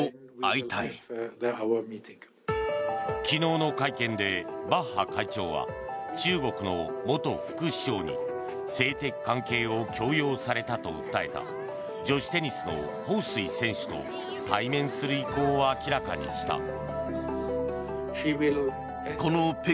昨日の会見でバッハ会長は中国の元副首相に性的関係を強要されたと訴えた女子テニスのホウ・スイ選手と対面する意向を明らかにした。